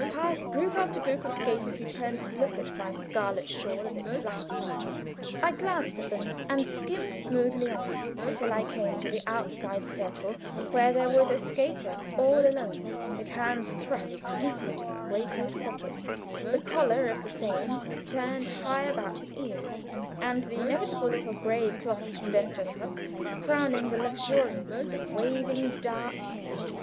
Past group after group of the skaters who turned to look at my scarlet shawl as it flashed past. I glanced at them and skimmed smoothly on, till I came to the outside circle where there was a skater all alone, his hands thrust deep into his great coat pockets, the collar of the same turned high about his ears, and the inevitable little gray cloth Studentenhut crowning the luxuriance of waving dark hair.